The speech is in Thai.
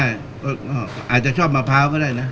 ไม่กดดันอะไรก็ทำไงได้อาจจะชอบมะพร้าก็ได้นะ